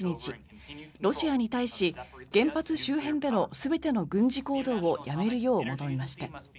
ロシアに対し、原発周辺でのすべての軍事行動を止めるよう求めました。